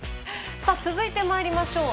続いてまいりましょう。